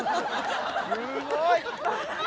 すごい！